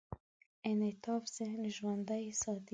انعطاف ذهن ژوندي ساتي.